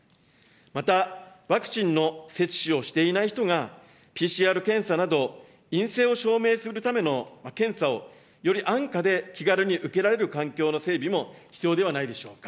また、ワクチンの接種をしていない人が、ＰＣＲ検査など、陰性を証明するための検査をより安価で気軽に受けられる環境の整備も必要ではないでしょうか。